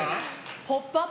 「ポップＵＰ！」